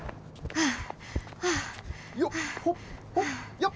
はあ。